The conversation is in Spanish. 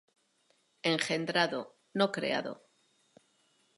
engendrado, no creado,